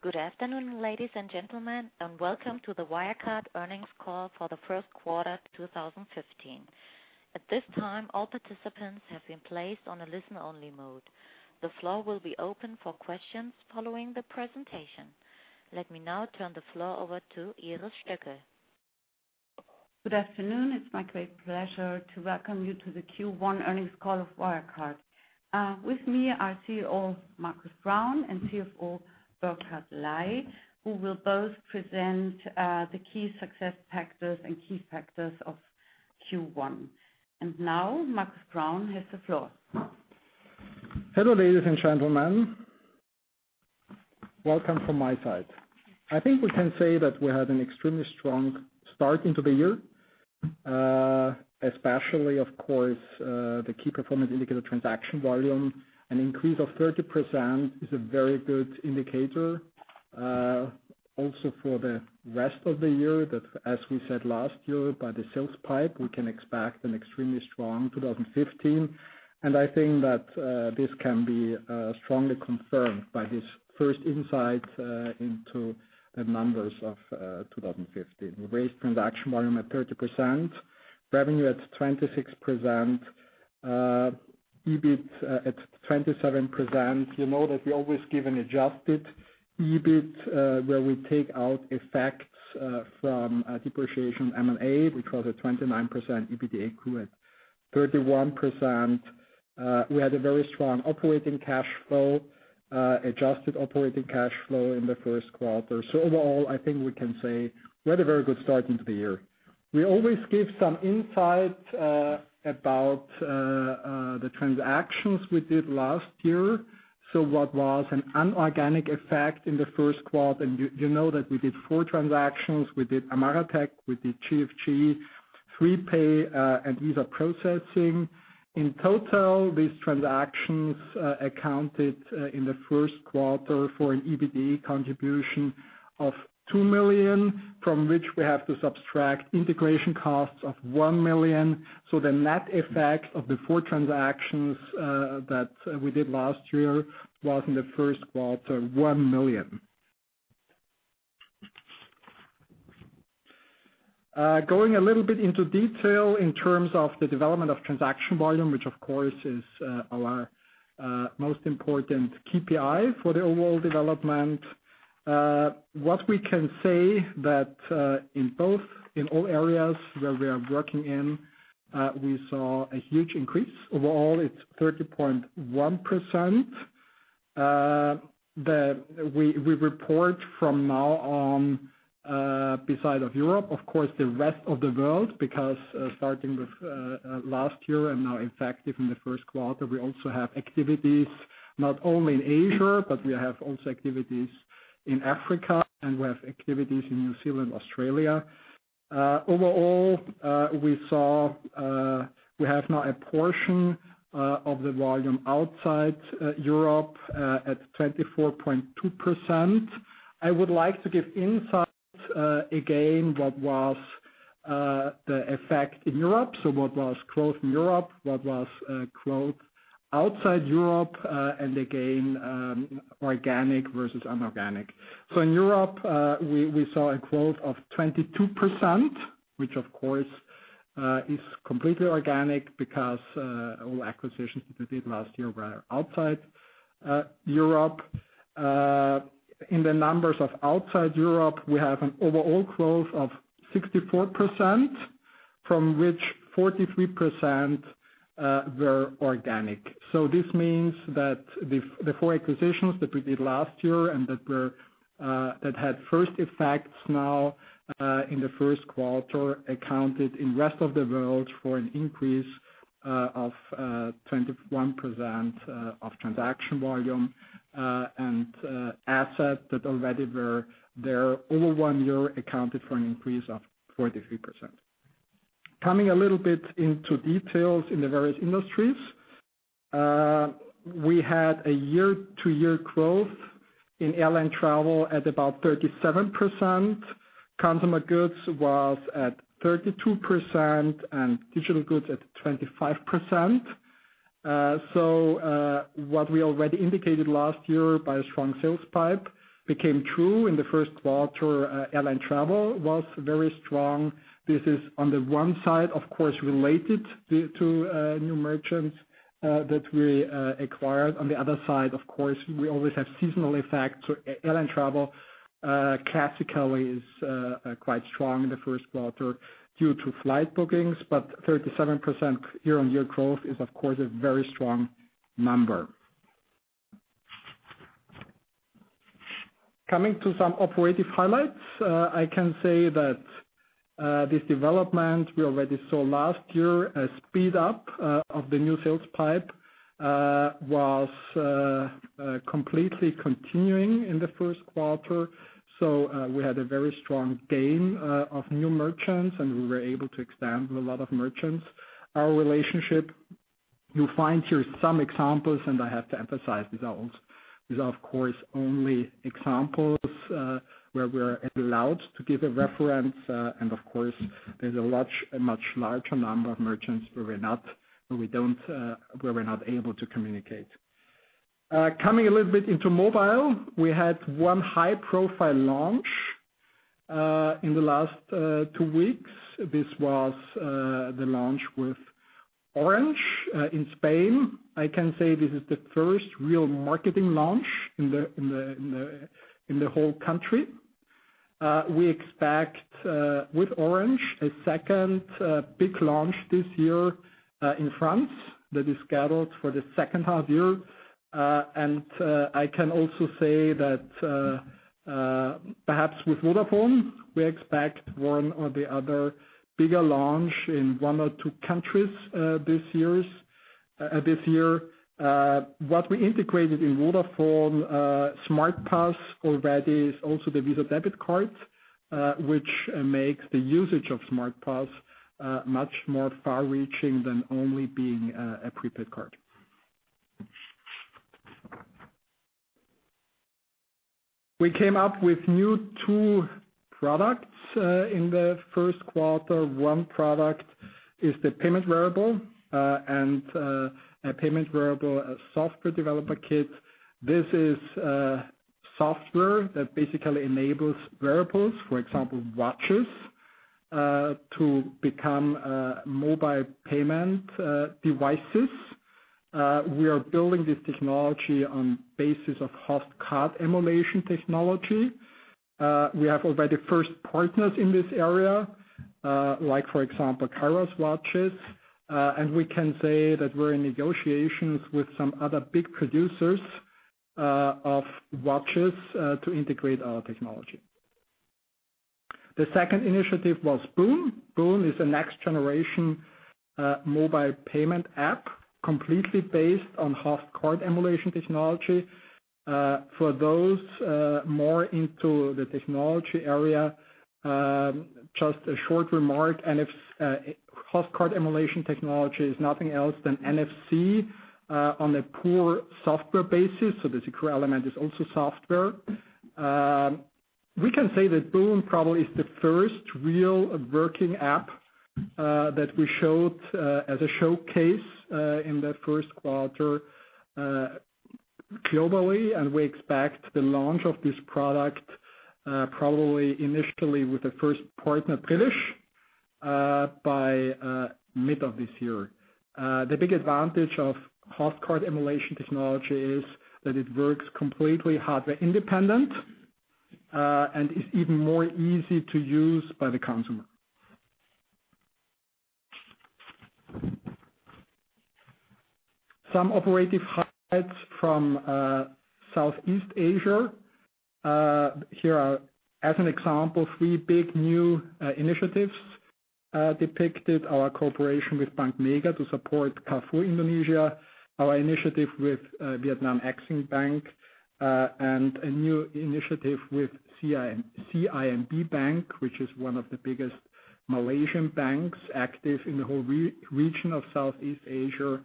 Good afternoon, ladies and gentlemen, welcome to the Wirecard earnings call for the first quarter 2015. At this time, all participants have been placed on a listen-only mode. The floor will be open for questions following the presentation. Let me now turn the floor over to Iris Stöckl. Good afternoon. It is my great pleasure to welcome you to the Q1 earnings call of Wirecard. With me are CEO, Markus Braun, and CFO, Burkhard Ley, who will both present the key success factors and key factors of Q1. Now, Markus Braun has the floor. Hello, ladies and gentlemen. Welcome from my side. I think we can say that we had an extremely strong start into the year. Especially, of course, the key performance indicator transaction volume, an increase of 30% is a very good indicator. For the rest of the year, that as we said last year, by the sales pipe, we can expect an extremely strong 2015. I think that this can be strongly confirmed by this first insight into the numbers of 2015. We raised transaction volume at 30%, revenue at 26%, EBIT at 27%. You know that we always give an adjusted EBIT, where we take out effects from depreciation M&A. We call it 29% EBITDA grew at 31%. We had a very strong operating cash flow, adjusted operating cash flow in the first quarter. Overall, I think we can say we had a very good start into the year. We always give some insight about the transactions we did last year. What was an unorganic effect in the first quarter, and you know that we did four transactions. We did Amara Tech, we did TFG, Freepay, and Visa Processing. In total, these transactions accounted in the first quarter for an EBITDA contribution of 2 million, from which we have to subtract integration costs of 1 million. The net effect of the four transactions that we did last year was in the first quarter, 1 million. Going a little bit into detail in terms of the development of transaction volume, which, of course, is our most important KPI for the overall development. What we can say that in all areas where we are working in, we saw a huge increase. Overall, it's 30.1%. We report from now on beside of Europe, of course, the rest of the world, because starting with last year and now effective in the first quarter, we also have activities not only in Asia, but we have also activities in Africa, and we have activities in New Zealand, Australia. Overall, we have now a portion of the volume outside Europe at 24.2%. I would like to give insight again, what was the effect in Europe. What was growth in Europe, what was growth outside Europe, and again, organic versus inorganic. In Europe, we saw a growth of 22%, which, of course, is completely organic because all acquisitions that we did last year were outside Europe. In the numbers of outside Europe, we have an overall growth of 64%, from which 43% were organic. This means that the four acquisitions that we did last year and that had first effects now in the first quarter, accounted in rest of the world for an increase of 21% of transaction volume. And assets that already were there over one year accounted for an increase of 43%. Coming a little bit into details in the various industries. We had a year-over-year growth in Airline & Travel at about 37%. Consumer Goods was at 32% and Digital Goods at 25%. What we already indicated last year by a strong sales pipe became true in the first quarter. Airline & Travel was very strong. This is on the one side, of course, related to new merchants that we acquired. On the other side, of course, we always have seasonal effects. Airline & Travel, classically, is quite strong in the first quarter due to flight bookings, but 37% year-over-year growth is, of course, a very strong number. Coming to some operative highlights. I can say that this development we already saw last year, a speed up of the new sales pipe was completely continuing in the first quarter. We had a very strong gain of new merchants, and we were able to expand with a lot of merchants. Our relationship, you'll find here some examples, and I have to emphasize, these are, of course, only examples, where we're allowed to give a reference. And of course, there's a much larger number of merchants where we're not able to communicate. Coming a little bit into mobile. We had one high-profile launch in the last two weeks, this was the launch with Orange in Spain. I can say this is the first real marketing launch in the whole country. We expect, with Orange, a second big launch this year in France that is scheduled for the second half year. I can also say that perhaps with Vodafone, we expect one or the other bigger launch in one or two countries this year. What we integrated in Vodafone SmartPass already is also the Visa debit card, which makes the usage of SmartPass much more far-reaching than only being a prepaid card. We came up with new two products in the first quarter. One product is the payment wearable and a payment wearable software developer kit. This is software that basically enables wearables, for example, watches, to become mobile payment devices. We are building this technology on basis of Host Card Emulation technology. We have already first partners in this area, like for example, Kairos Watches. We can say that we're in negotiations with some other big producers of watches to integrate our technology. The second initiative was boon. boon is a next generation mobile payment app, completely based on Host Card Emulation technology. For those more into the technology area, just a short remark, Host Card Emulation technology is nothing else than NFC on a poor software basis, so the Secure Element is also software. We can say that boon probably is the first real working app that we showed as a showcase in the first quarter globally, and we expect the launch of this product probably initially with the first partner, British, by mid of this year. The big advantage of Host Card Emulation technology is that it works completely hardware independent, is even more easy to use by the consumer. Some operative highlights from Southeast Asia. Here are, as an example, three big new initiatives depicted. Our cooperation with Bank Mega to support Carrefour Indonesia, our initiative with Vietnam Eximbank, and a new initiative with CIMB Bank, which is one of the biggest Malaysian banks active in the whole region of Southeast Asia.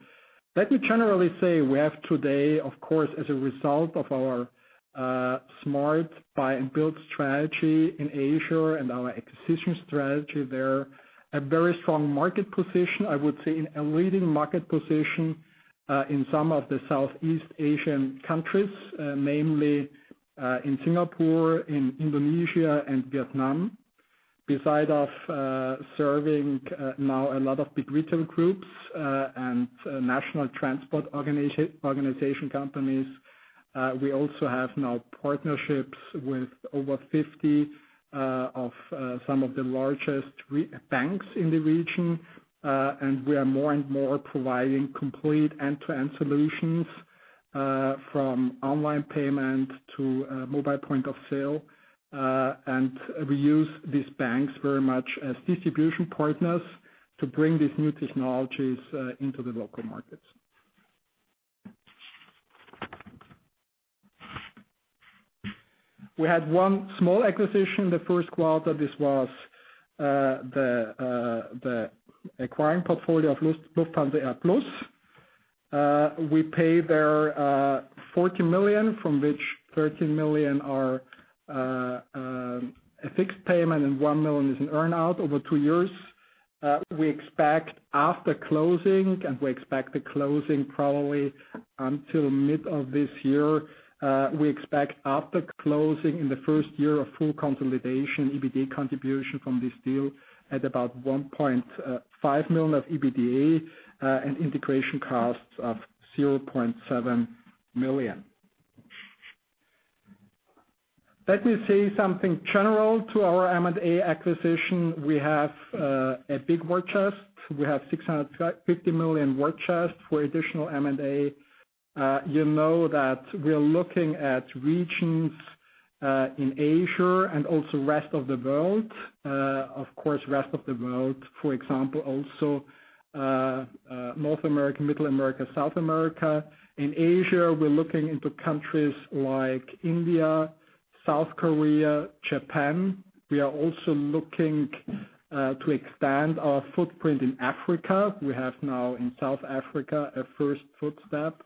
Let me generally say, we have today, of course, as a result of our smart buy and build strategy in Asia and our acquisition strategy there, a very strong market position. I would say a leading market position in some of the Southeast Asian countries, namely in Singapore, in Indonesia and Vietnam. Beside of serving now a lot of big retail groups and national transport organization companies, we also have now partnerships with over 50 of some of the largest banks in the region. We are more and more providing complete end-to-end solutions from online payment to mobile point of sale. We use these banks very much as distribution partners to bring these new technologies into the local markets. We had one small acquisition in the first quarter. This was the acquiring portfolio of Lufthansa AirPlus. We paid there 40 million, from which 13 million are a fixed payment and 1 million is an earn-out over two years. We expect after closing, and we expect the closing probably until mid of this year. We expect after closing in the first year of full consolidation, EBITDA contribution from this deal at about 1.5 million of EBITDA and integration costs of 0.7 million. Let me say something general to our M&A acquisition. We have a big war chest. We have 650 million war chest for additional M&A. You know that we are looking at regions in Asia and also rest of the world. Of course, rest of the world, for example, also North America, Middle America, South America. In Asia, we're looking into countries like India, South Korea, Japan. We are also looking to expand our footprint in Africa. We have now in South Africa, a first footstep.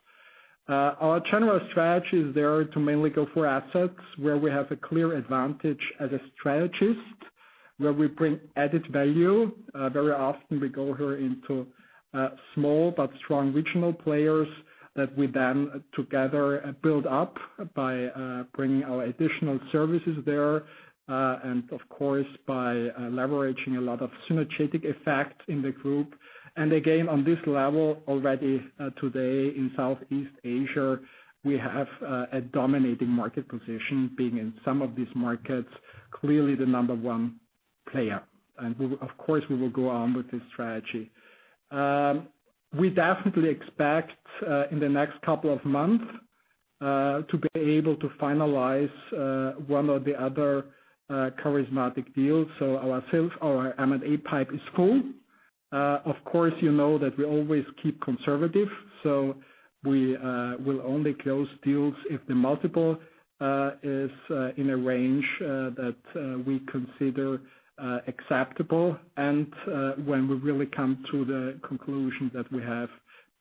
Our general strategy is there to mainly go for assets where we have a clear advantage as a strategist Where we bring added value. Very often we go here into small but strong regional players that we then together build up by bringing our additional services there. Of course, by leveraging a lot of synergetic effect in the group. Again, on this level already today in Southeast Asia, we have a dominating market position, being in some of these markets, clearly the number 1 player. Of course, we will go on with this strategy. We definitely expect in the next couple of months to be able to finalize one or the other charismatic deals. Our sales, our M&A pipe is full. Of course, you know that we always keep conservative, we will only close deals if the multiple is in a range that we consider acceptable and when we really come to the conclusion that we have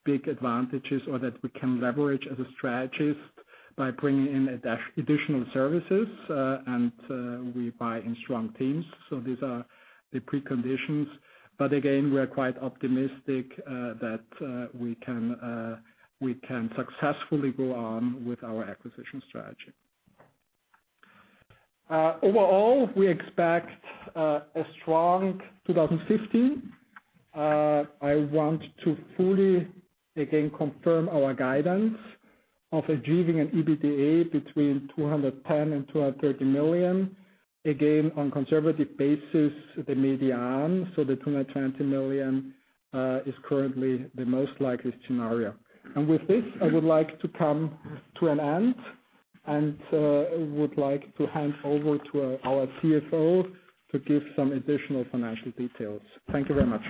big advantages or that we can leverage as a strategist by bringing in additional services, and we buy in strong teams. These are the preconditions. Again, we are quite optimistic that we can successfully go on with our acquisition strategy. Overall, we expect a strong 2015. I want to fully, again, confirm our guidance of achieving an EBITDA between 210 million and 230 million. Again, on conservative basis, the median, the 220 million is currently the most likely scenario. With this, I would like to come to an end and would like to hand over to our CFO to give some additional financial details. Thank you very much.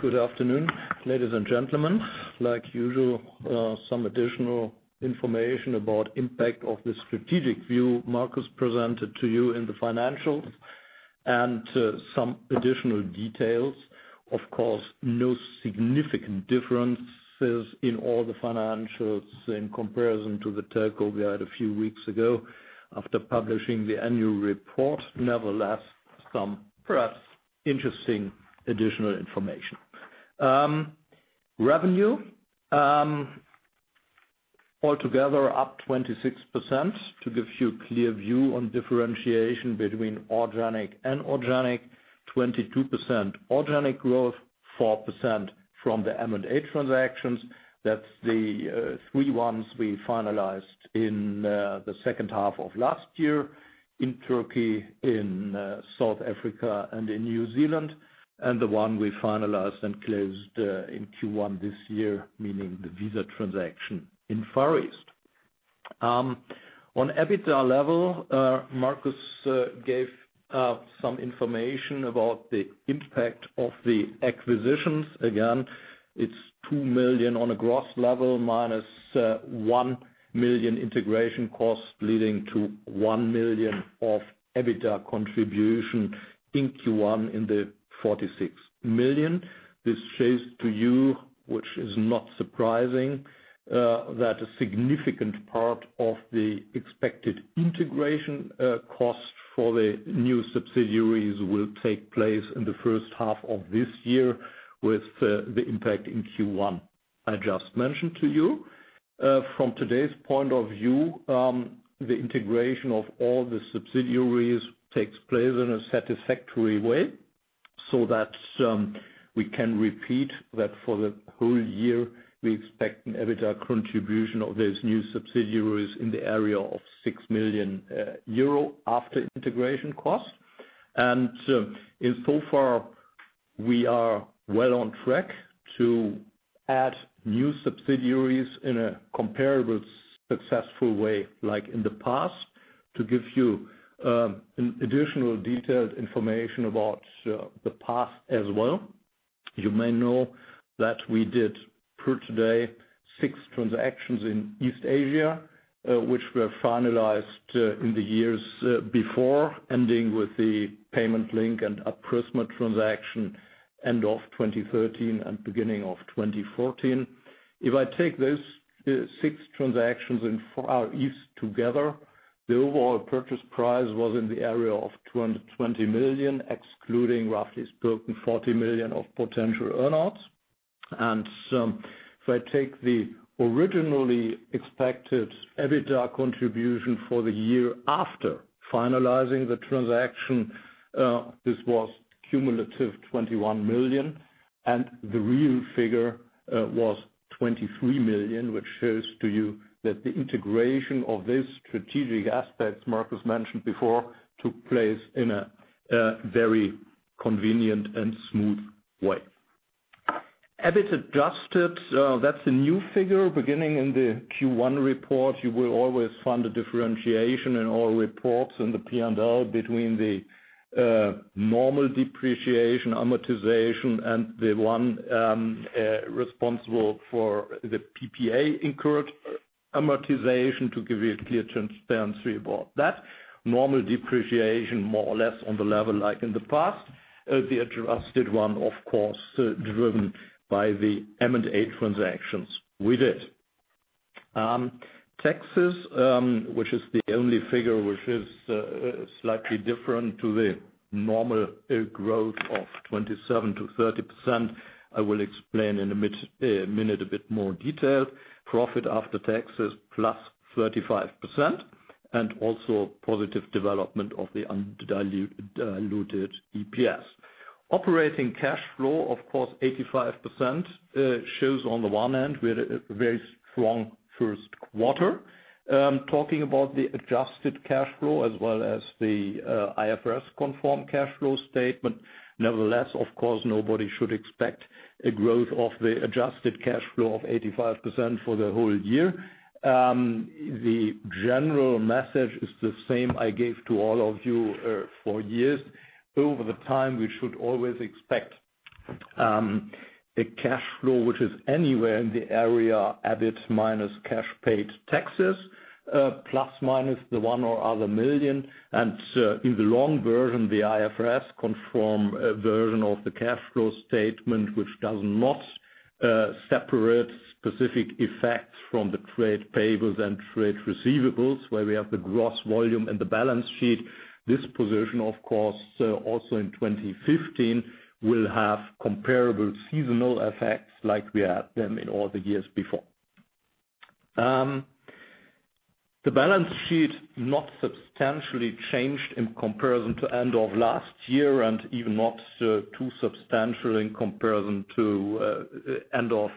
Good afternoon, ladies and gentlemen. Like usual, some additional information about impact of the strategic view Markus presented to you in the financials and some additional details. Of course, no significant differences in all the financials in comparison to the telco we had a few weeks ago after publishing the annual report. Nevertheless, some perhaps interesting additional information. Revenue altogether up 26%. To give you a clear view on differentiation between organic and organic, 22% organic growth, 4% from the M&A transactions. That is the 3 ones we finalized in the second half of last year in Turkey, in South Africa and in New Zealand. The one we finalized and closed in Q1 this year, meaning the Visa transaction in Far East. On EBITDA level, Markus gave some information about the impact of the acquisitions. It is 2 million on a gross level, minus 1 million integration cost leading to 1 million of EBITDA contribution in Q1 in the 46 million. This shows to you, which is not surprising, that a significant part of the expected integration cost for the new subsidiaries will take place in the first half of this year with the impact in Q1. I just mentioned to you, from today's point of view, the integration of all the subsidiaries takes place in a satisfactory way that we can repeat that for the whole year. We expect an EBITDA contribution of those new subsidiaries in the area of 6 million euro after integration costs. In so far, we are well on track to add new subsidiaries in a comparable successful way like in the past. To give you additional detailed information about the past as well, you may know that we did per today 6 transactions in East Asia, which were finalized in the years before ending with the Payment Link and Aprisma transaction end of 2013 and beginning of 2014. If I take those 6 transactions in Far East together, the overall purchase price was in the area of 220 million, excluding roughly spoken 40 million of potential earn-outs. If I take the originally expected EBITDA contribution for the year after finalizing the transaction, this was cumulative 21 million and the real figure was 23 million, which shows to you that the integration of these strategic aspects Markus mentioned before took place in a very convenient and smooth way. EBIT adjusted, that's a new figure. Beginning in the Q1 report, you will always find a differentiation in all reports in the P&L between the normal depreciation amortization and the one responsible for the PPA incurred amortization to give you a clear transparency about that. Normal depreciation, more or less on the level like in the past. The adjusted one, of course, driven by the M&A transactions we did. Taxes, which is the only figure which is slightly different to the normal growth of 27%-30%. I will explain in a minute a bit more detail. Profit after taxes plus 35% and also positive development of the undiluted EPS. Operating cash flow, of course, 85% shows on the one end, we had a very strong first quarter. Talking about the adjusted cash flow as well as the IFRS-conform cash flow statement. Nevertheless, of course, nobody should expect a growth of the adjusted cash flow of 85% for the whole year. The general message is the same I gave to all of you for years. Over the time, we should always expect a cash flow which is anywhere in the area, EBIT minus cash paid taxes, plus minus the one or other million. In the long version, the IFRS-conform version of the cash flow statement, which does not separate specific effects from the trade payables and trade receivables, where we have the gross volume and the balance sheet. This position, of course, also in 2015, will have comparable seasonal effects like we had them in all the years before. The balance sheet not substantially changed in comparison to end of last year and even not too substantial in comparison to end of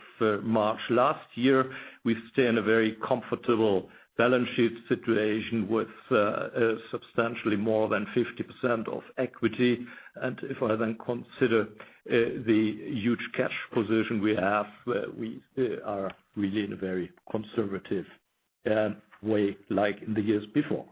March last year. We stay in a very comfortable balance sheet situation with substantially more than 50% of equity. If I then consider the huge cash position we have, we are really in a very conservative way like in the years before.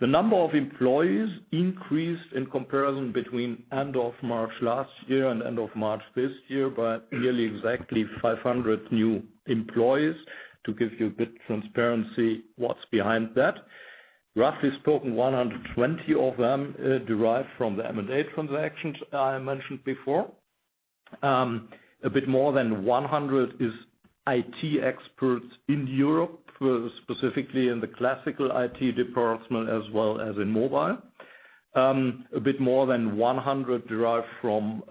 The number of employees increased in comparison between end of March last year and end of March this year, by nearly exactly 500 new employees. To give you a bit transparency what's behind that. Roughly spoken, 120 of them derive from the M&A transactions I mentioned before. A bit more than 100 is IT experts in Europe, specifically in the classical IT department as well as in mobile. A bit more than 100 derive from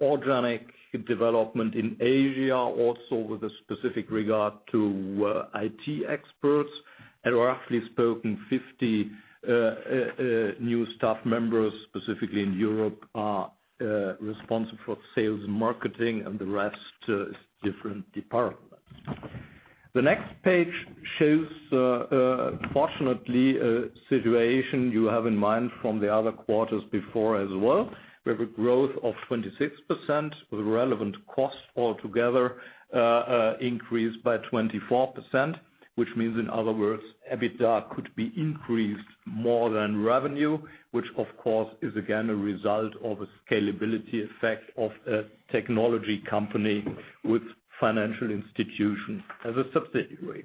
organic development in Asia, also with a specific regard to IT experts. Roughly spoken, 50 new staff members, specifically in Europe, are responsible for sales and marketing, and the rest is different departments. The next page shows, fortunately, a situation you have in mind from the other quarters before as well. We have a growth of 26% with relevant costs altogether increased by 24%, which means, in other words, EBITDA could be increased more than revenue, which of course is again a result of a scalability effect of a technology company with financial institutions as a subsidiary.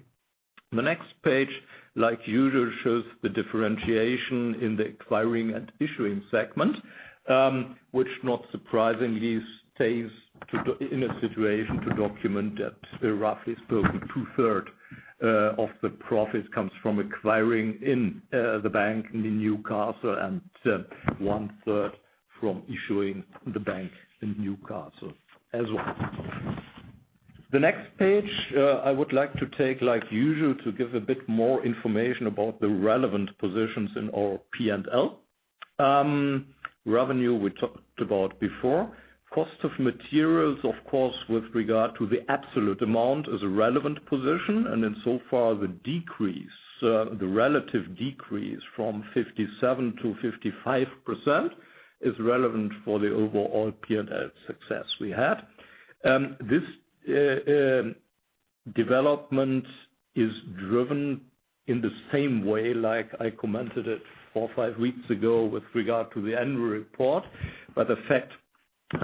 The next page, like usual, shows the differentiation in the acquiring and issuing segment, which not surprisingly stays in a situation to document that roughly spoken two-third of the profit comes from acquiring in the Wirecard Bank and one-third from issuing the Wirecard Bank as well. The next page, I would like to take, like usual, to give a bit more information about the relevant positions in our P&L. Revenue we talked about before. Cost of materials, of course, with regard to the absolute amount as a relevant position, and in so far, the relative decrease from 57% to 55% is relevant for the overall P&L success we had. This development is driven in the same way like I commented it four or five weeks ago with regard to the annual report. The fact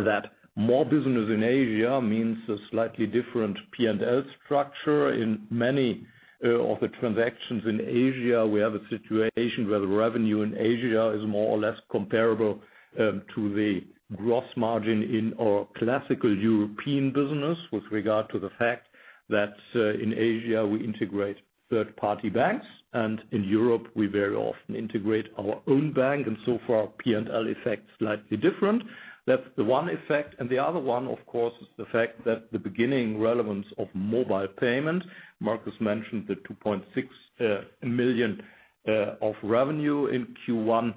that more business in Asia means a slightly different P&L structure. In many of the transactions in Asia, we have a situation where the revenue in Asia is more or less comparable to the gross margin in our classical European business with regard to the fact that in Asia we integrate third-party banks, and in Europe, we very often integrate our own bank, and so far, P&L effect slightly different. That's the one effect. The other one, of course, is the fact that the beginning relevance of mobile payment, Markus mentioned the 2.6 million of revenue in Q1,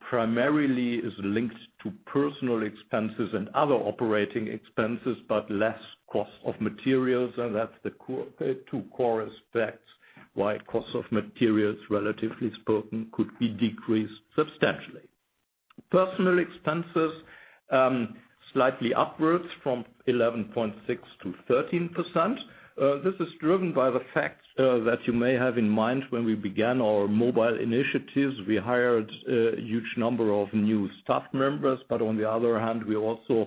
primarily is linked to personal expenses and other operating expenses, but less cost of materials. That's the two core aspects why cost of materials, relatively spoken, could be decreased substantially. Personal expenses slightly upwards from 11.6% to 13%. This is driven by the fact that you may have in mind when we began our mobile initiatives, we hired a huge number of new staff members. On the other hand, we also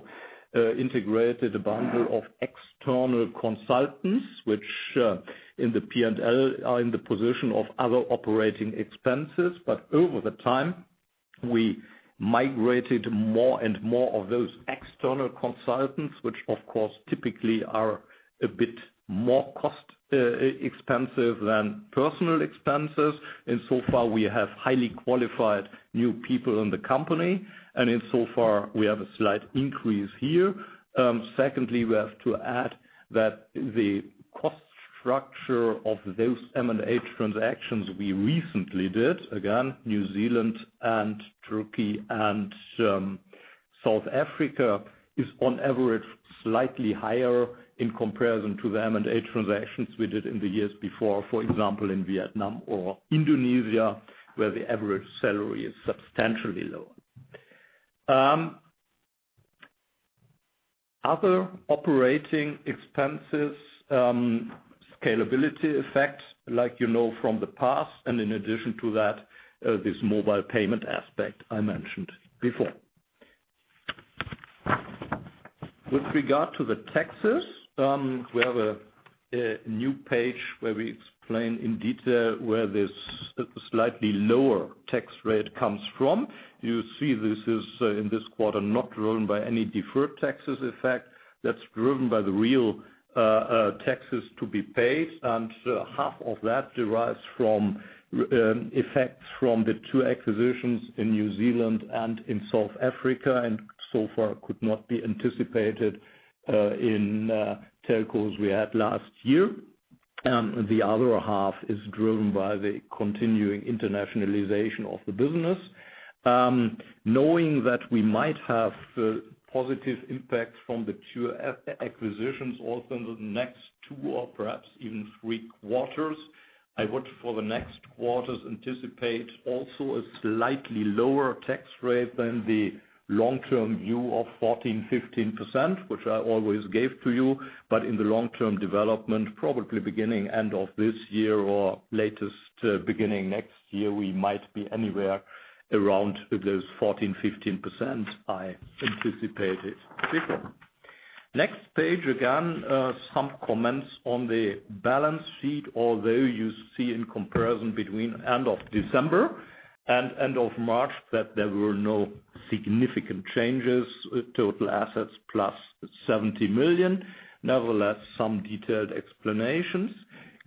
integrated a bundle of external consultants, which in the P&L are in the position of other operating expenses. Over the time, we migrated more and more of those external consultants, which of course typically are a bit more cost expensive than personal expenses. So far we have highly qualified new people in the company, and in so far we have a slight increase here. Secondly, we have to add that the cost structure of those M&A transactions we recently did, again, New Zealand and Turkey and South Africa, is on average slightly higher in comparison to the M&A transactions we did in the years before, for example, in Vietnam or Indonesia, where the average salary is substantially lower. Other operating expenses, scalability effects like you know from the past, and in addition to that, this mobile payment aspect I mentioned before. With regard to the taxes, we have a new page where we explain in detail where this slightly lower tax rate comes from. You see this is in this quarter not driven by any deferred taxes effect. That's driven by the real taxes to be paid, half of that derives from effects from the two acquisitions in New Zealand and in South Africa and so far could not be anticipated in calls we had last year. The other half is driven by the continuing internationalization of the business. Knowing that we might have positive impacts from the two acquisitions also in the next two or perhaps even three quarters, I would for the next quarters anticipate also a slightly lower tax rate than the long-term view of 14%, 15%, which I always gave to you. In the long-term development, probably beginning end of this year or latest beginning next year, we might be anywhere around those 14%, 15% I anticipated before. Next page, again, some comments on the balance sheet, although you see in comparison between end of December and end of March that there were no significant changes. Total assets plus 70 million. Nevertheless, some detailed explanations.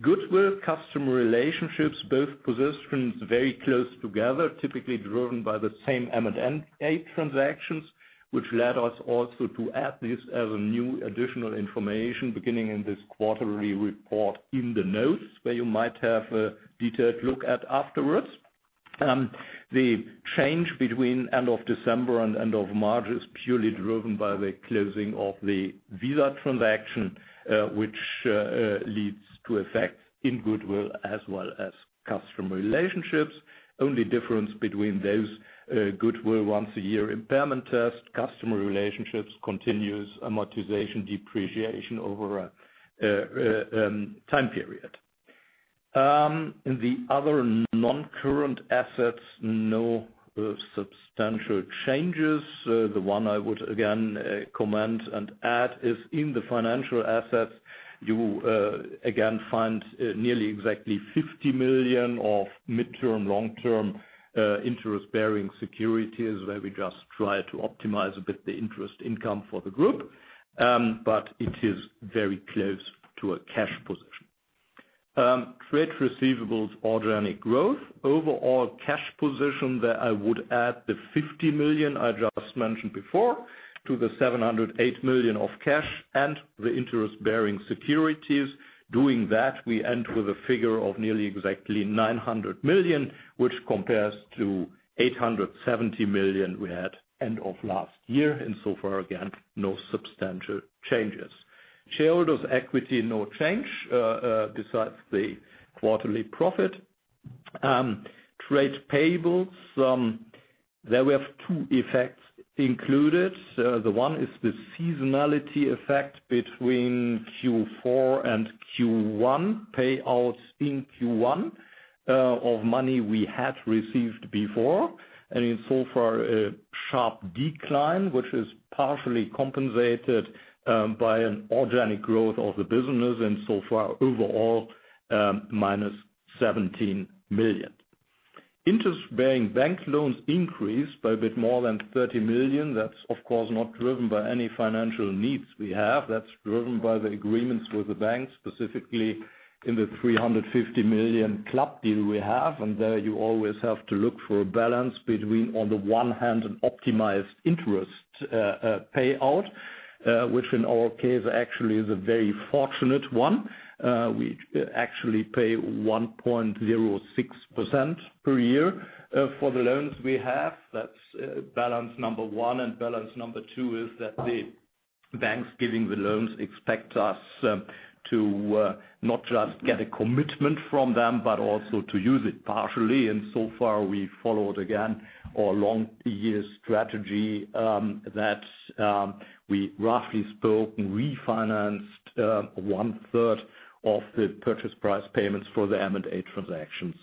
Goodwill customer relationships, both positions very close together, typically driven by the same M&A transactions, which led us also to add this as a new additional information beginning in this quarterly report in the notes where you might have a detailed look at afterwards. The change between end of December and end of March is purely driven by the closing of the Visa transaction, which leads to effect in goodwill as well as customer relationships. Only difference between those goodwill once a year impairment test, customer relationships continues amortization depreciation over a time period. In the other non-current assets, no substantial changes. The one I would again comment and add is in the financial assets, you will again find nearly exactly 50 million of midterm long-term interest-bearing securities where we just try to optimize a bit the interest income for the group. It is very close to a cash position. Trade receivables, organic growth. Overall cash position that I would add the 50 million I just mentioned before to the 708 million of cash and the interest bearing securities. Doing that, we end with a figure of nearly exactly 900 million, which compares to 870 million we had end of last year. So far, again, no substantial changes. Shareholders equity, no change besides the quarterly profit. Trade payables, there we have two effects included. The one is the seasonality effect between Q4 and Q1 payouts in Q1 of money we had received before. In so far, a sharp decline, which is partially compensated by an organic growth of the business. So far, overall, minus 17 million. Interest-bearing bank loans increased by a bit more than 30 million. That's of course not driven by any financial needs we have. That's driven by the agreements with the banks, specifically in the 350 million club deal we have. There you always have to look for a balance between, on the one hand, an optimized interest payout, which in our case actually is a very fortunate one. We actually pay 1.06% per year for the loans we have. That's balance number one. Balance number two is that the banks giving the loans expect us to not just get a commitment from them, but also to use it partially. So far, we followed again our long years strategy, that we roughly spoke, refinanced one third of the purchase price payments for the M&A transactions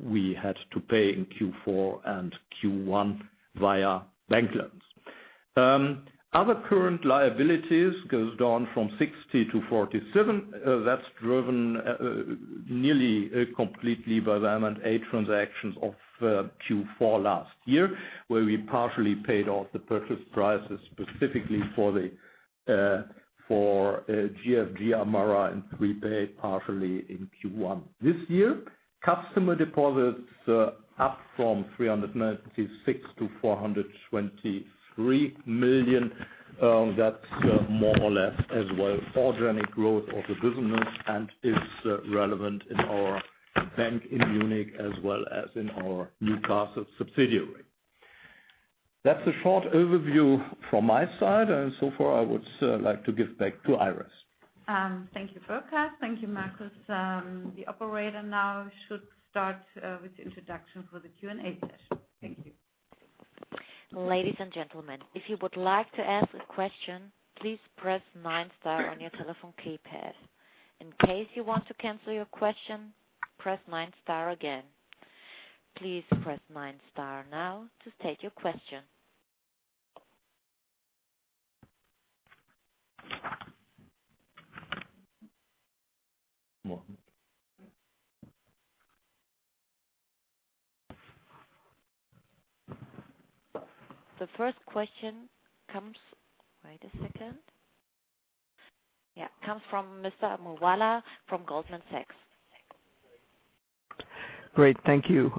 we had to pay in Q4 and Q1 via bank loans. Other current liabilities goes down from 60 million to 47 million. That is driven nearly completely by the M&A transactions of Q4 last year, where we partially paid off the purchase prices specifically for TFG, Amara, and prepaid partially in Q1 this year. Customer deposits are up from 396 million to 423 million. That is more or less as well, organic growth of the business and is relevant in our Bank in Munich as well as in our Newcastle subsidiary. That is a short overview from my side, so far I would like to give back to Iris. Thank you, Burkhard. Thank you, Markus. The operator now should start with the introduction for the Q&A session. Thank you. Ladies and gentlemen, if you would like to ask a question, please press nine star on your telephone keypad. In case you want to cancel your question, press nine star again. Please press nine star now to state your question. The first question comes, wait a second. Yeah. Comes from Mr. Moawalla from Goldman Sachs. Great. Thank you.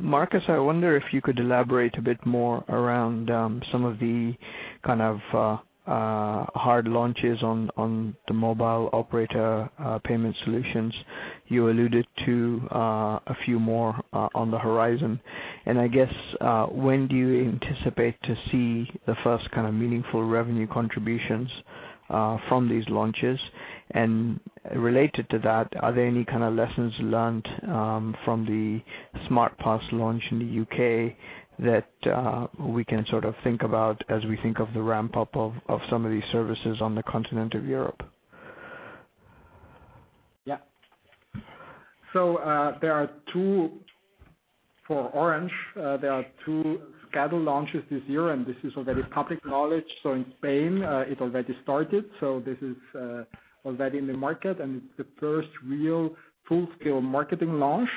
Markus, I wonder if you could elaborate a bit more around some of the kind of hard launches on the mobile operator payment solutions. You alluded to a few more on the horizon. I guess, when do you anticipate to see the first kind of meaningful revenue contributions from these launches? Related to that, are there any kind of lessons learned from the SmartPass launch in the U.K. that we can sort of think about as we think of the ramp-up of some of these services on the continent of Europe? There are two for Orange. There are two scheduled launches this year. This is already public knowledge. In Spain, it already started. This is already in the market. It is the first real full-scale marketing launch.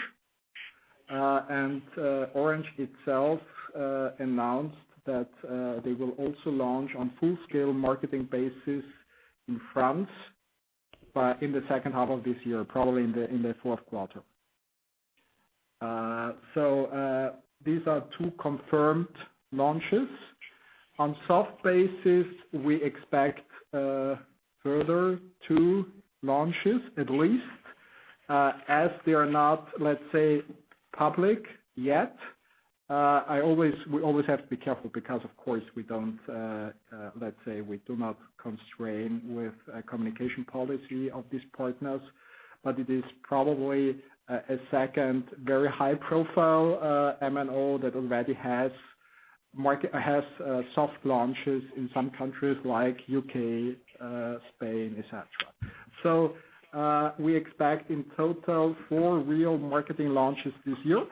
Orange itself announced that they will also launch on full scale marketing basis in France in the second half of this year, probably in the fourth quarter. These are two confirmed launches. On soft basis, we expect further two launches at least, as they are not, let's say, public yet. We always have to be careful because of course, let's say we do not constrain with communication policy of these partners. It is probably a second very high profile MNO that already has soft launches in some countries like U.K., Spain, et cetera. We expect in total four real marketing launches this year.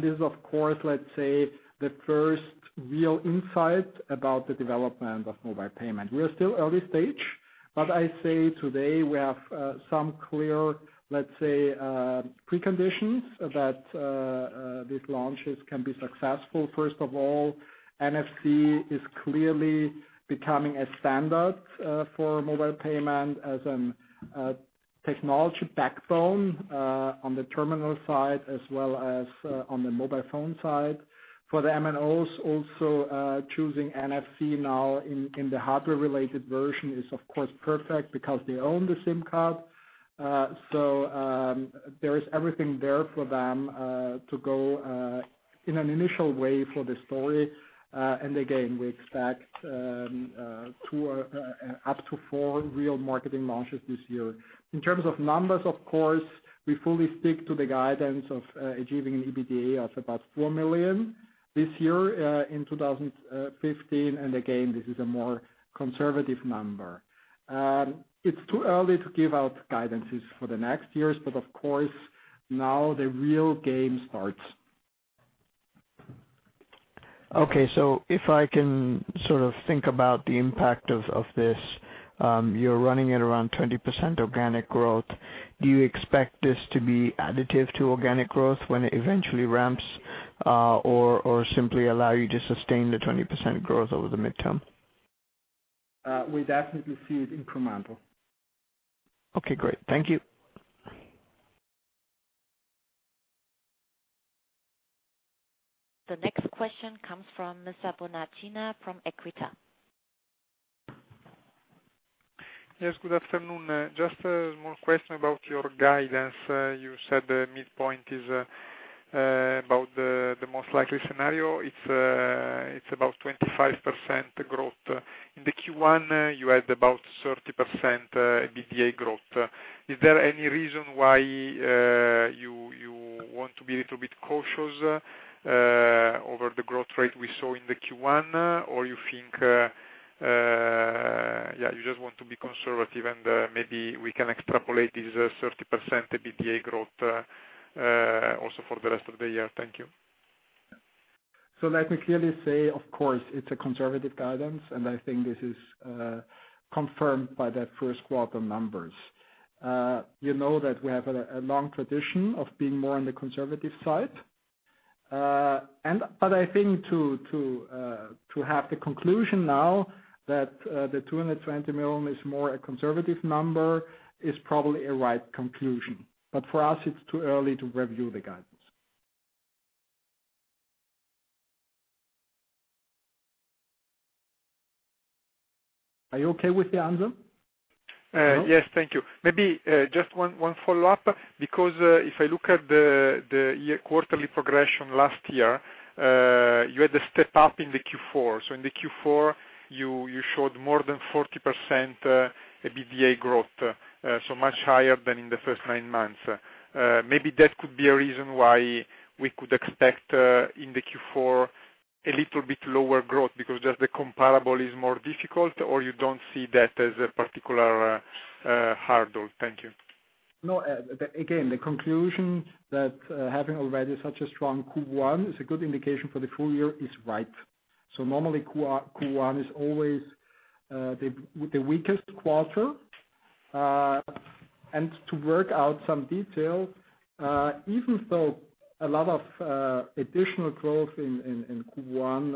This is, of course, let's say, the first real insight about the development of mobile payment. We are still early stage. I say today we have some clear, let's say, preconditions that these launches can be successful. First of all, NFC is clearly becoming a standard for mobile payment as a technology backbone on the terminal side as well as on the mobile phone side. For the MNOs also, choosing NFC now in the hardware-related version is, of course, perfect because they own the SIM card. There is everything there for them to go in an initial way for the story. Again, we expect up to four real marketing launches this year. In terms of numbers, of course, we fully stick to the guidance of achieving an EBITDA of about 4 million this year in 2015. Again, this is a more conservative number. It's too early to give out guidances for the next years. Of course, now the real game starts. If I can sort of think about the impact of this, you're running at around 20% organic growth. Do you expect this to be additive to organic growth when it eventually ramps, or simply allow you to sustain the 20% growth over the midterm? We definitely see it incremental. Okay, great. Thank you. The next question comes from Mr. Bonacina from Equita. Good afternoon. Just a small question about your guidance. You said the midpoint is about the most likely scenario. It's about 25% growth. In the Q1, you had about 30% EBITDA growth. Is there any reason why you want to be a little bit cautious over the growth rate we saw in the Q1, or you just want to be conservative and maybe we can extrapolate this 30% EBITDA growth also for the rest of the year. Thank you. Let me clearly say, of course, it's a conservative guidance, and I think this is confirmed by that first quarter numbers. You know that we have a long tradition of being more on the conservative side. I think to have the conclusion now that the 220 million is more a conservative number is probably a right conclusion. For us, it's too early to review the guidance. Are you okay with the answer? Yes, thank you. Maybe just one follow-up, because if I look at the yearly quarterly progression last year, you had a step up in the Q4. In the Q4, you showed more than 40% EBITDA growth, so much higher than in the first nine months. Maybe that could be a reason why we could expect, in the Q4, a little bit lower growth because just the comparable is more difficult, or you don't see that as a particular hurdle? Thank you. No. Again, the conclusion that having already such a strong Q1 is a good indication for the full year is right. Normally Q1 is always the weakest quarter. To work out some detail, even though a lot of additional growth in Q1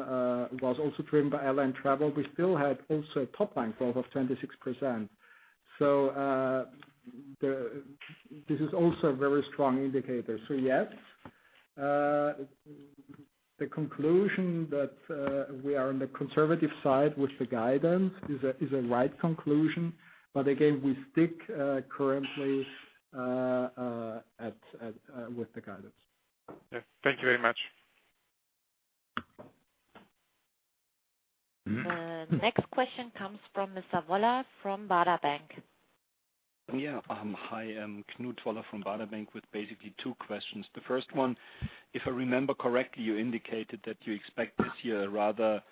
was also driven by Airline & Travel, we still had also a top line growth of 26%. This is also a very strong indicator. Yes, the conclusion that we are on the conservative side with the guidance is a right conclusion. Again, we stick currently with the guidance. Yeah. Thank you very much. The next question comes from Mr. Woller from Baader Bank. Yeah. Hi, I'm Knut Woller from Baader Bank with basically two questions. The first one, if I remember correctly, you indicated that you expect this year a rather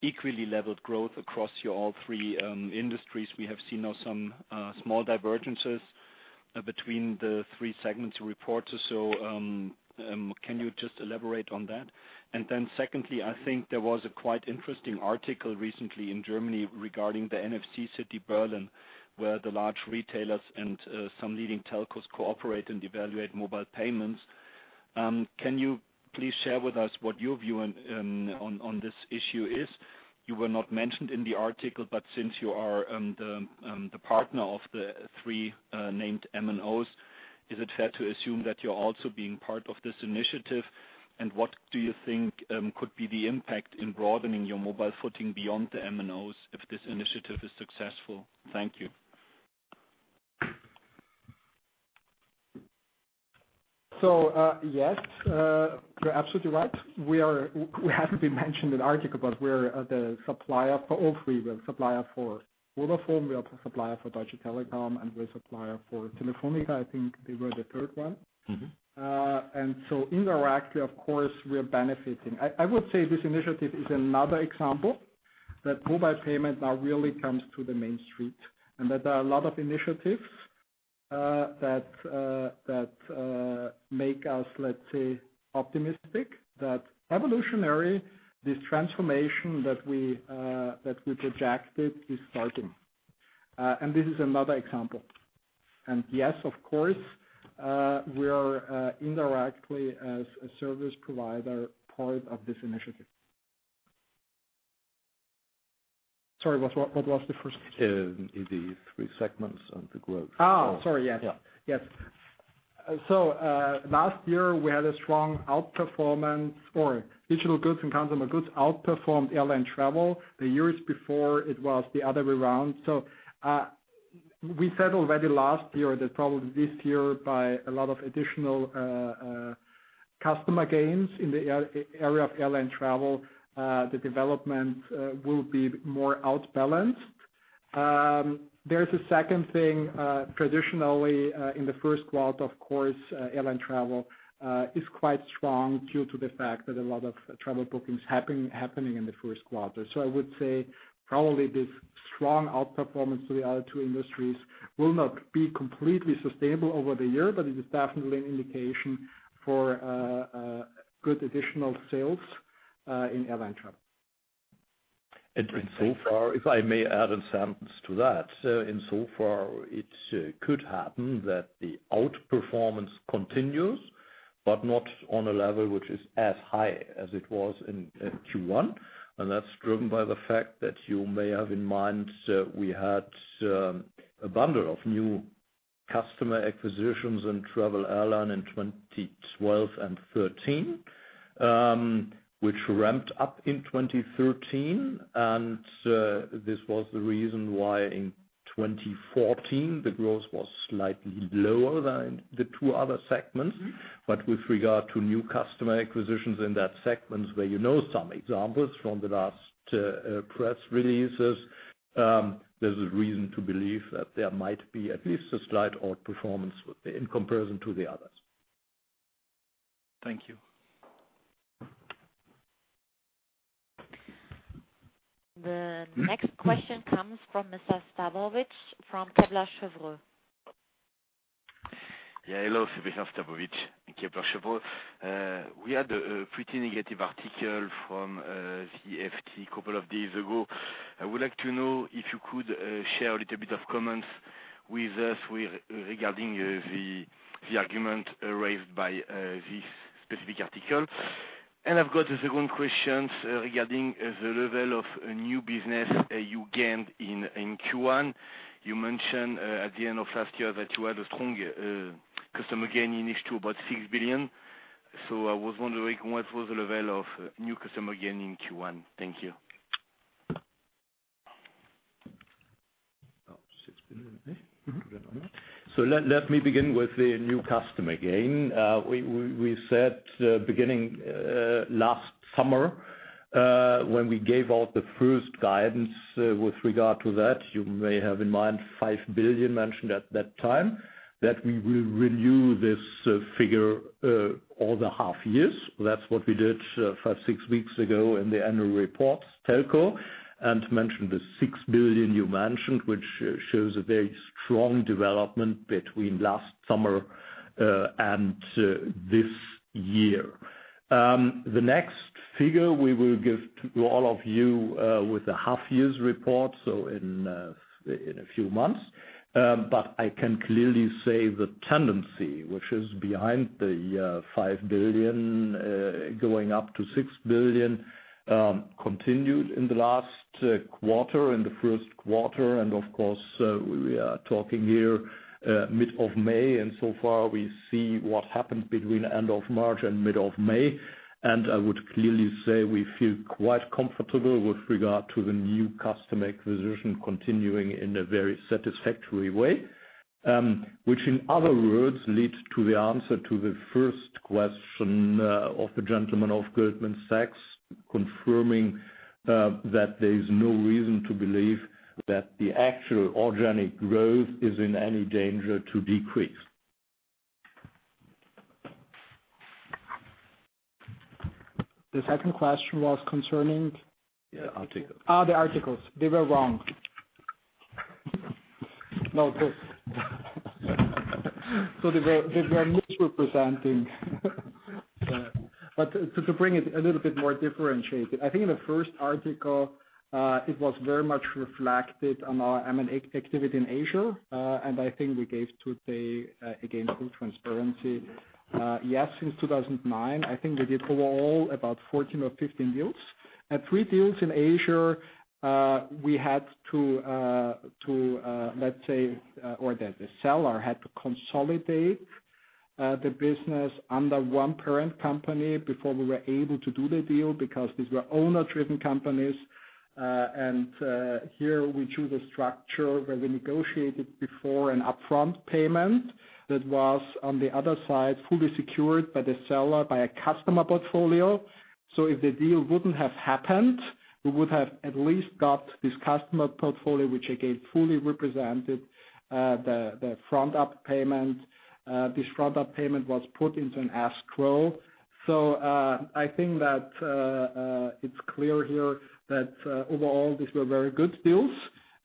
equally leveled growth across your all three industries. We have seen now some small divergences between the three segments you report. Can you just elaborate on that? Secondly, I think there was a quite interesting article recently in Germany regarding the NFC City Berlin, where the large retailers and some leading telcos cooperate and evaluate mobile payments. Can you please share with us what your view on this issue is? You were not mentioned in the article, but since you are the partner of the three named MNOs, is it fair to assume that you're also being part of this initiative? What do you think could be the impact in broadening your mobile footing beyond the MNOs if this initiative is successful? Thank you. Yes, you're absolutely right. We haven't been mentioned in the article, but we're the supplier for all three. We're supplier for Vodafone, we are supplier for Deutsche Telekom, we're supplier for Telefónica. I think they were the third one. Indirectly, of course, we are benefiting. I would say this initiative is another example that mobile payment now really comes to the main street, and that there are a lot of initiatives that make us, let's say, optimistic that evolutionary, this transformation that we projected is starting. This is another example. Yes, of course, we are indirectly, as a service provider, part of this initiative. Sorry, what was the first question? In the three segments and the growth. Oh, sorry. Yes. Yeah. Yes. Last year we had a strong outperformance for Digital Goods and Consumer Goods outperformed Airline & Travel. The years before, it was the other way around. We said already last year that probably this year, by a lot of additional customer gains in the area of Airline & Travel, the development will be more outbalanced. There's a second thing, traditionally, in the first quarter, of course, Airline & Travel is quite strong due to the fact that a lot of travel bookings happening in the first quarter. I would say probably this strong outperformance to the other two industries will not be completely sustainable over the year, but it is definitely an indication for good additional sales in Airline & Travel. So far, if I may add a sentence to that. Insofar, it could happen that the outperformance continues, but not on a level which is as high as it was in Q1. That's driven by the fact that you may have in mind we had a bundle of new customer acquisitions in Travel & Airline in 2012 and 2013, which ramped up in 2013. This was the reason why in 2014, the growth was slightly lower than the two other segments. With regard to new customer acquisitions in that segment, where you know some examples from the last press releases, there's a reason to believe that there might be at least a slight outperformance in comparison to the others. Thank you. The next question comes from Mr. Sztabowicz from Kepler Cheuvreux. Hello. Sebastian Sztabowicz, Kepler Cheuvreux. We had a pretty negative article from the FT a couple of days ago. I would like to know if you could share a little bit of comments with us regarding the argument raised by this specific article. I've got a second question regarding the level of new business you gained in Q1. You mentioned at the end of last year that you had a strong customer gain [inaudible] about 6 billion. I was wondering what was the level of new customer gain in Q1. Thank you. EUR 6 billion. Let me begin with the new customer gain. We said beginning last summer, when we gave out the first guidance with regard to that, you may have in mind 5 billion mentioned at that time, that we will review this figure all the half years. That is what we did five, six weeks ago in the annual report, Telco, and mentioned the 6 billion you mentioned, which shows a very strong development between last summer and this year. The next figure we will give to all of you with the half-year's report, in a few months. I can clearly say the tendency, which is behind the 5 billion, going up to 6 billion, continued in the last quarter, in the first quarter. Of course, we are talking here mid of May, and so far we see what happened between end of March and mid of May. I would clearly say we feel quite comfortable with regard to the new customer acquisition continuing in a very satisfactory way. Which in other words, leads to the answer to the first question of the gentleman of Goldman Sachs, confirming that there is no reason to believe that the actual organic growth is in any danger to decrease. The second question was concerning? Yeah, articles. The articles. They were wrong. This. They were misrepresenting. To frame it a little bit more differentiated, I think in the first article, it was very much reflected on our M&A activity in Asia. I think we gave today, again, full transparency. Yes, since 2009, I think we did overall about 14 or 15 deals. Three deals in Asia, we had to, let's say, or the seller had to consolidate the business under one parent company before we were able to do the deal, because these were owner-driven companies. Here we chose a structure where we negotiated before an upfront payment that was on the other side fully secured by the seller by a customer portfolio. If the deal wouldn't have happened, we would have at least got this customer portfolio, which again, fully represented the front-up payment. This front-up payment was put into an escrow. I think that it's clear here that overall these were very good deals.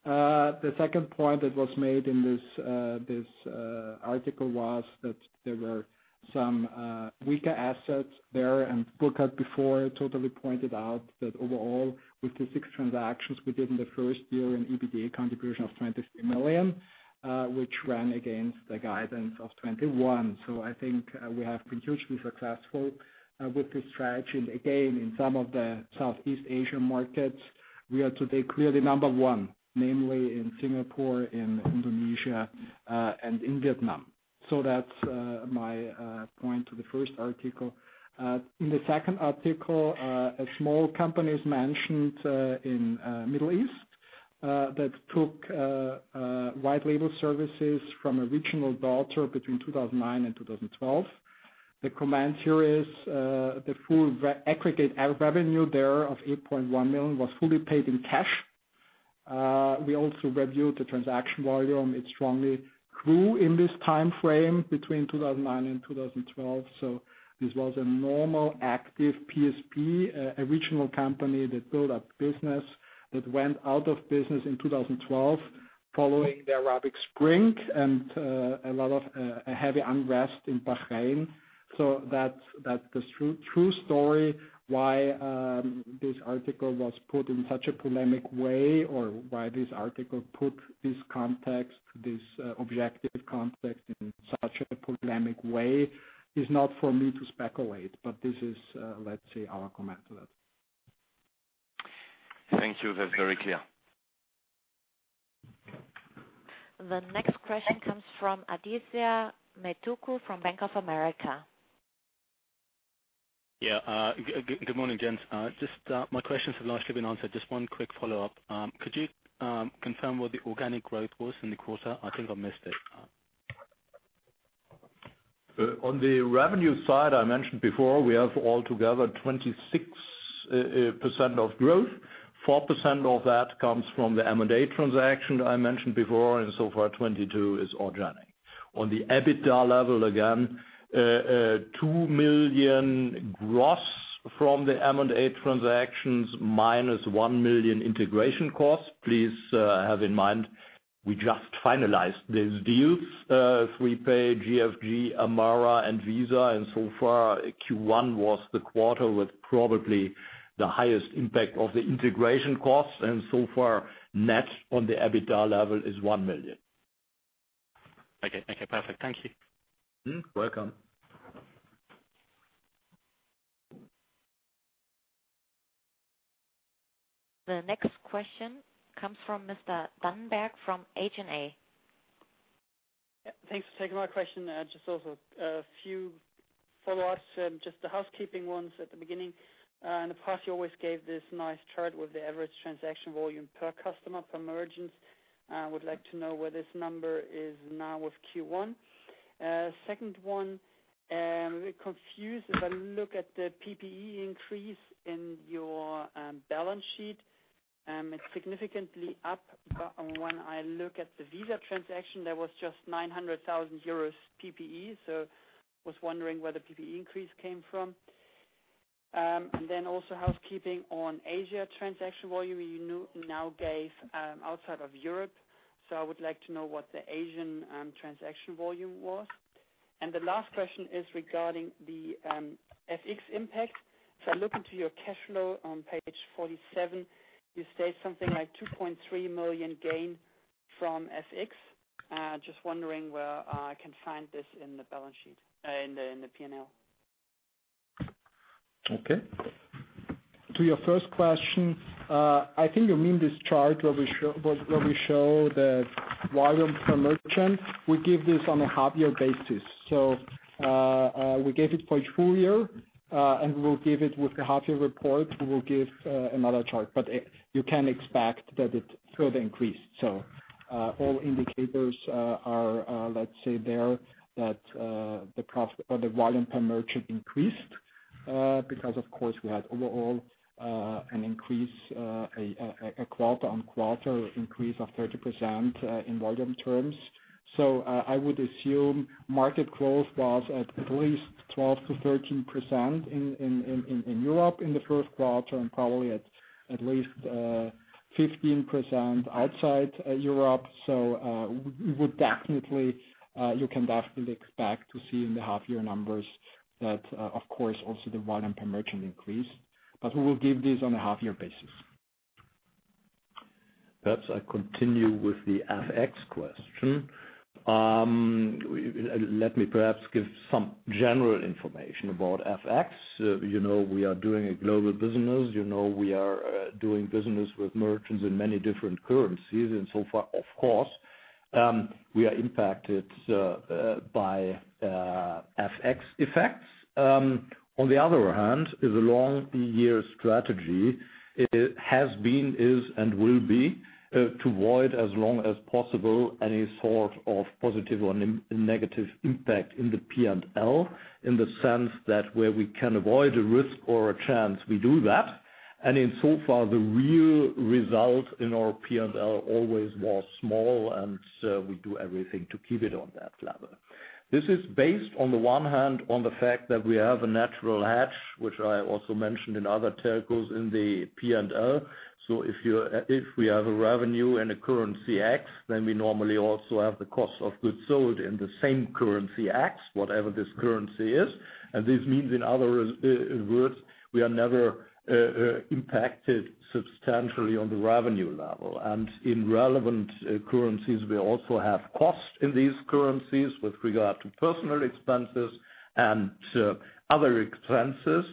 The second point that was made in this article was that there were some weaker assets there and Burkhard before totally pointed out that overall with the six transactions we did in the first year an EBITDA contribution of 23 million, which ran against the guidance of 21. I think we have been hugely successful with this strategy. Again, in some of the Southeast Asian markets, we are today clearly number one, namely in Singapore, in Indonesia, and in Vietnam. That's my point to the first article. In the second article, a small company's mentioned in Middle East, that took white label services from a regional subsidiary between 2009 and 2012. The comment here is the full aggregate revenue there of 8.1 million was fully paid in cash. We also reviewed the transaction volume. It strongly grew in this time frame between 2009 and 2012. This was a normal, active PSP, a regional company that built up business that went out of business in 2012 following the Arab Spring and a lot of heavy unrest in Bahrain. That's the true story. Why this article was put in such a polemic way or why this article put this objective context in such a polemic way is not for me to speculate, this is, let's say, our comment to that. Thank you. That's very clear. The next question comes from Adithya Metuku from Bank of America. Yeah, good morning, gents. My questions have largely been answered. Just one quick follow-up. Could you confirm what the organic growth was in the quarter? I think I missed it. On the revenue side, I mentioned before, we have altogether 26% of growth. 4% of that comes from the M&A transaction I mentioned before, and so far 22% is organic. On the EBITDA level again, 2 million gross from the M&A transactions minus 1 million integration costs. Please have in mind, we just finalized these deals, Freepay, GFG, Amara, and Visa, and so far, Q1 was the quarter with probably the highest impact of the integration costs, and so far net on the EBITDA level is 1 million. Okay, perfect. Thank you. Welcome. The next question comes from Mr. Dannenberg from H&A. Yeah. Thanks for taking my question. Just also a few follow-ups and just the housekeeping ones at the beginning. In the past, you always gave this nice chart with the average transaction volume per customer per merchant. I would like to know where this number is now with Q1. Second one, I'm a bit confused if I look at the PPE increase in your balance sheet. It's significantly up, but when I look at the Visa transaction, there was just 900,000 euros PPE. Was wondering where the PPE increase came from. Then also housekeeping on Asia transaction volume, you now gave outside of Europe. So I would like to know what the Asian transaction volume was. The last question is regarding the FX impact. If I look into your cash flow on page 47, you state something like 2.3 million gain from FX. Just wondering where I can find this in the P&L. To your first question, I think you mean this chart where we show the volume per merchant. We give this on a half-year basis. We gave it for a full year, and we will give it with the half-year report. We will give another chart. You can expect that it further increased. All indicators are, let's say there, that the volume per merchant increased because, of course, we had overall an increase, a quarter-on-quarter increase of 30% in volume terms. I would assume market growth was at least 12%-13% in Europe in the first quarter and probably at least 15% outside Europe. You can definitely expect to see in the half-year numbers that, of course, also the volume per merchant increase. We will give these on a half-year basis. Perhaps I continue with the FX question. Let me perhaps give some general information about FX. We are doing a global business. You know, we are doing business with merchants in many different currencies, and so far, of course, we are impacted by FX effects. On the other hand, the long year strategy has been, is, and will be to avoid as long as possible any sort of positive or negative impact in the P&L, in the sense that where we can avoid a risk or a chance, we do that. In so far, the real result in our P&L always was small, we do everything to keep it on that level. This is based on the one hand, on the fact that we have a natural hedge, which I also mentioned in other telecalls in the P&L. If we have a revenue in a currency X, then we normally also have the cost of goods sold in the same currency X, whatever this currency is. This means, in other words, we are never impacted substantially on the revenue level. In relevant currencies, we also have costs in these currencies with regard to personal expenses and other expenses,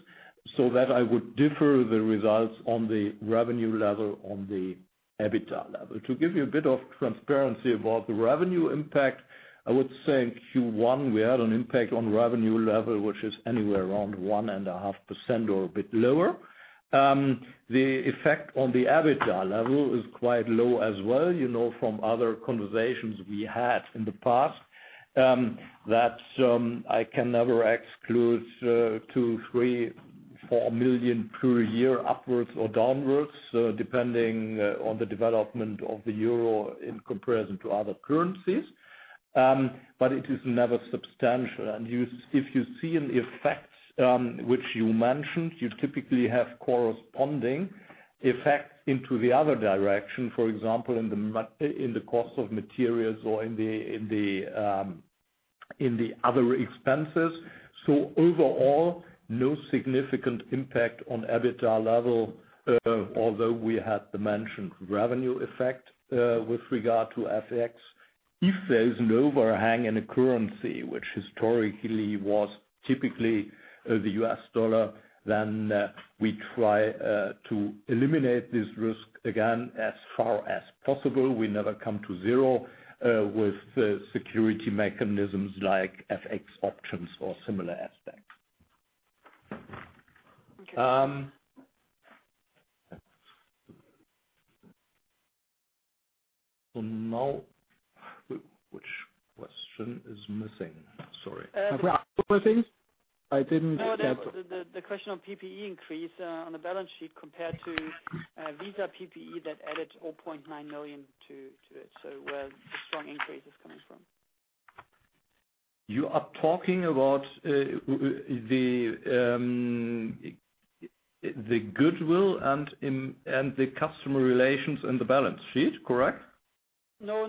so that I would defer the results on the revenue level on the EBITDA level. To give you a bit of transparency about the revenue impact, I would say in Q1, we had an impact on revenue level, which is anywhere around 1.5% or a bit lower. The effect on the EBITDA level is quite low as well. From other conversations we had in the past, that I can never exclude 2 million, 3 million, 4 million per year upwards or downwards, depending on the development of the euro in comparison to other currencies. It is never substantial. If you see an effect, which you mentioned, you typically have corresponding effects into the other direction, for example, in the cost of materials or in the other expenses. Overall, no significant impact on EBITDA level, although we had the mentioned revenue effect with regard to FX. If there is an overhang in a currency, which historically was typically the US dollar, we try to eliminate this risk again as far as possible. We never come to zero with security mechanisms like FX options or similar aspects. Okay. Now, which question is missing? Sorry. We are still missing I didn't get. The question on PPE increase on the balance sheet compared to Visa PPE that added 0.9 million to it, where the strong increase is coming from. You are talking about the goodwill and the customer relations in the balance sheet, correct? No.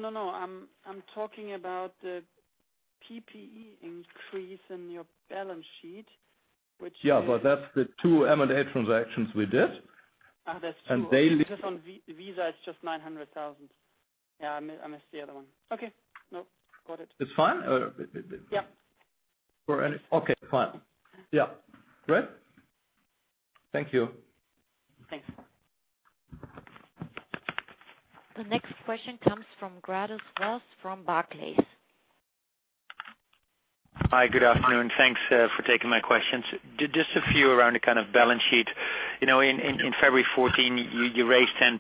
I'm talking about the PPE increase in your balance sheet, which is. That's the two M&A transactions we did. That's true. They. Because on Visa, it's just 900,000. Yeah, I missed the other one. Okay. Nope. Got it. It's fine? Yeah. Okay, fine. Yeah. Great. Thank you. Thanks. The next question comes from Gerhard de Swardt from Barclays. Hi. Good afternoon. Thanks for taking my questions. Just a few around the kind of balance sheet. In February 2014, you raised 10%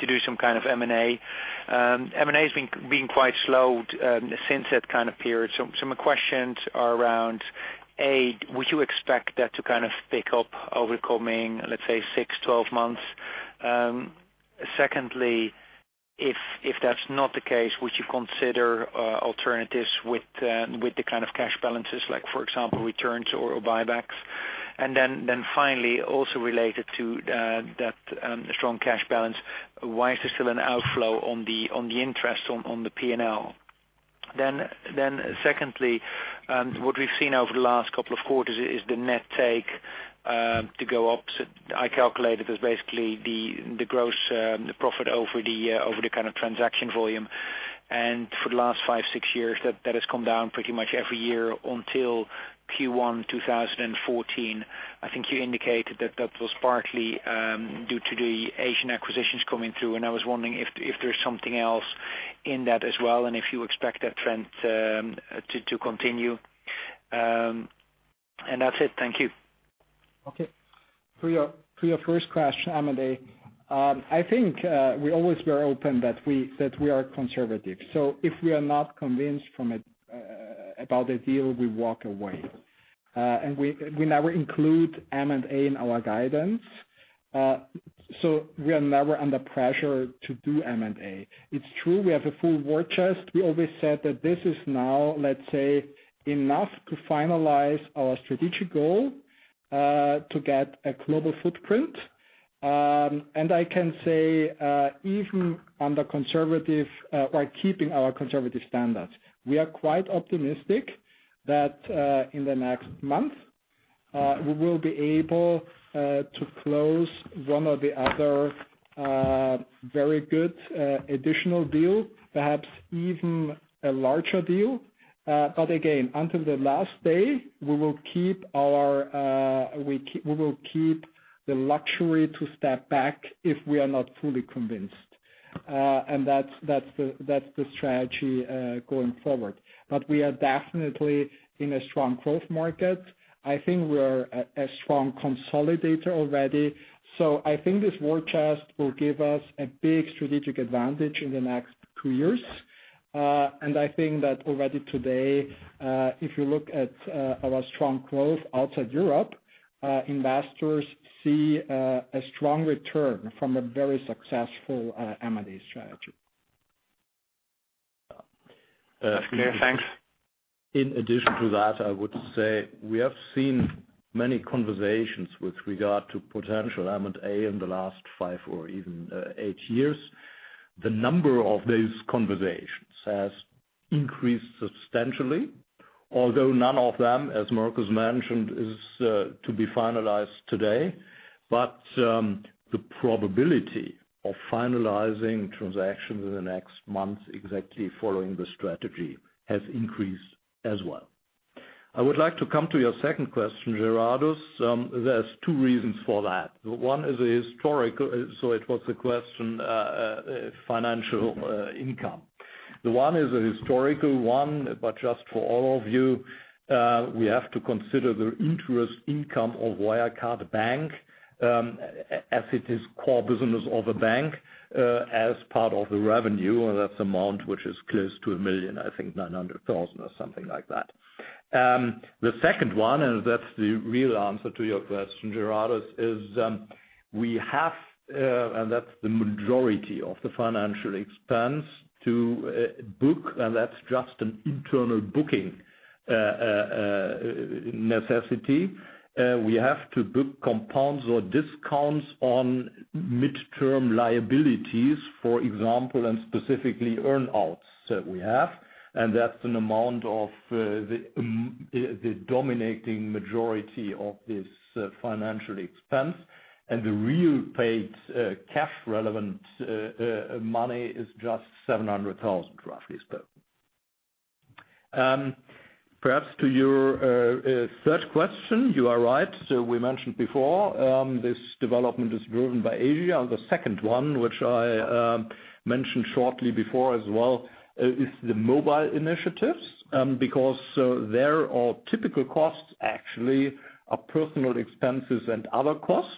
to do some kind of M&A. M&A's been quite slow since that kind of period. My questions are around, A, would you expect that to kind of pick up over coming, let's say, six, 12 months? Secondly, if that's not the case, would you consider alternatives with the kind of cash balances, like for example, returns or buybacks? Then finally, also related to that strong cash balance, why is there still an outflow on the interest on the P&L? Secondly, what we've seen over the last couple of quarters is the net take to go opposite. I calculate it as basically the gross profit over the kind of transaction volume. For the last five, six years, that has come down pretty much every year until Q1 2014. I think you indicated that that was partly due to the Asian acquisitions coming through, and I was wondering if there's something else in that as well, and if you expect that trend to continue. That's it. Thank you. Okay. To your first question, A, I think we're always very open that we are conservative. If we are not convinced about a deal, we walk away. We never include M&A in our guidance. We are never under pressure to do M&A. It's true, we have a full war chest. We always said that this is now, let's say, enough to finalize our strategic goal to get a global footprint. I can say, even while keeping our conservative standards, we are quite optimistic that in the next month, we will be able to close one or the other very good additional deal, perhaps even a larger deal. Again, until the last day, we will keep the luxury to step back if we are not fully convinced. That's the strategy going forward. We are definitely in a strong growth market. I think we are a strong consolidator already. I think this war chest will give us a big strategic advantage in the next two years. I think that already today, if you look at our strong growth outside Europe, investors see a strong return from a very successful M&A strategy. Yeah. Clear. Thanks. In addition to that, I would say we have seen many conversations with regard to potential M&A in the last 5 or even 8 years. The number of these conversations has increased substantially, although none of them, as Markus mentioned, is to be finalized today. The probability of finalizing transactions in the next month exactly following the strategy has increased as well. I would like to come to your second question, Gerhard. There's two reasons for that. It was a question, financial income. One is a historical one, but just for all of you, we have to consider the interest income of Wirecard Bank, as it is core business of a bank, as part of the revenue. And that's amount which is close to 1 million, I think 900,000 or something like that. The second one, that's the real answer to your question, Gerhard, is we have, that's the majority of the financial expense to book, and that's just an internal booking necessity. We have to book compounds or discounts on midterm liabilities, for example, and specifically earnouts that we have. That's an amount of the dominating majority of this financial expense. The real paid cash relevant money is just 700,000, roughly spoken. Perhaps to your third question, you are right. We mentioned before, this development is driven by Asia. The second one, which I mentioned shortly before as well, is the mobile initiatives. Because there all typical costs actually are personal expenses and other costs.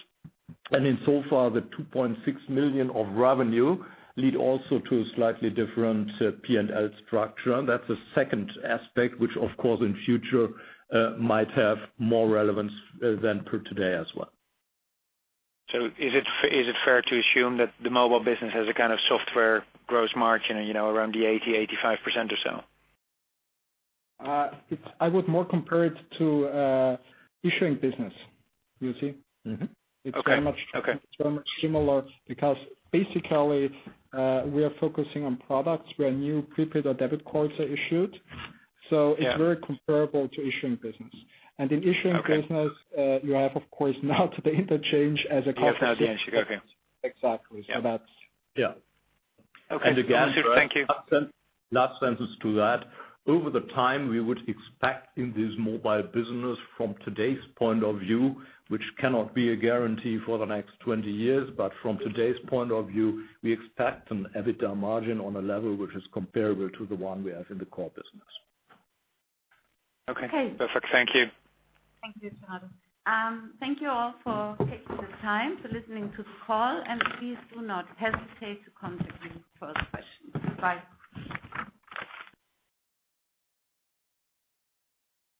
In so far, the 2.6 million of revenue lead also to a slightly different P&L structure. That's the second aspect, which of course in future might have more relevance than per today as well. Is it fair to assume that the mobile business has a kind of software gross margin, around the 80%-85% or so? I would more compare it to issuing business. You see? Mm-hmm. Okay. It's very much similar because basically, we are focusing on products where new prepaid or debit cards are issued. Yeah. It's very comparable to issuing business. In issuing business. Okay You have, of course, now today interchange as a compensation. Yes. Okay. Exactly. Yeah. That's. Yeah. Okay. No, that's it. Thank you. Again, last sentence to that. Over the time, we would expect in this mobile business from today's point of view, which cannot be a guarantee for the next 20 years, but from today's point of view, we expect an EBITDA margin on a level which is comparable to the one we have in the core business. Okay. Okay. Perfect. Thank you. Thank you, Gerhard. Thank you all for taking the time, for listening to the call, and please do not hesitate to contact me for other questions. Bye.